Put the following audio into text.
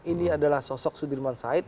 ini adalah sosok sudirman said